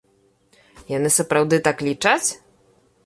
Яны сапраўды так лічаць?